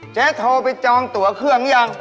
เจ๊โทรไปจองตัวเครื่องหรือยัง